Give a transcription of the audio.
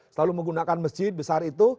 selalu menggunakan masjid besar itu